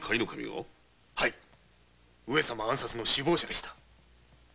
上様暗殺の首謀者でした。